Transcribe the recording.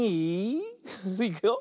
いくよ。